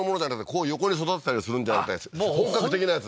こう横に育てたりするんじゃなくて本格的なやつ？